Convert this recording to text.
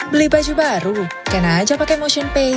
beli baju baru kena aja pake motionpay